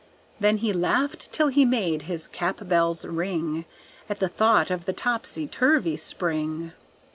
Then he laughed till he made his cap bells ring, At the thought of the topsy turvy Spring.